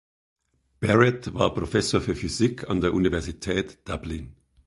Barrett war Professor für Physik an der Universität Dublin.